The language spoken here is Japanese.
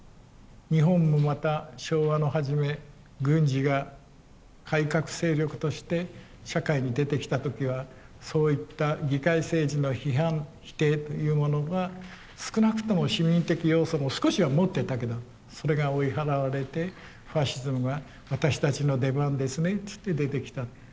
日本もまた昭和の初め軍事が改革勢力として社会に出てきた時はそういった議会政治の批判・否定というものが少なくとも市民的要素も少しは持ってたけどそれが追い払われてファシズムが私たちの出番ですねって言って出てきた。